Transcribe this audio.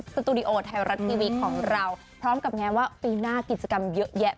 สตูดิโอไทยรัฐทีวีของเราพร้อมกับงานว่าปีหน้ากิจกรรมเยอะแยะ